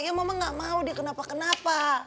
ya mama gak mau dia kenapa kenapa